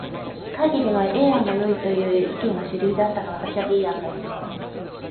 会議では A 案がよいという意見が主流であったが、私は B 案が良いと思う。